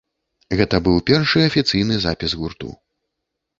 Гэта быў першы афіцыйны запіс гурту.